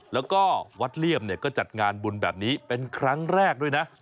แล้วก็วัดเลี่ยมก็จัดงานบุญแบบนี้เป็นครั้งแรกด้วยนะ